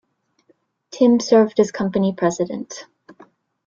Tim served as company president.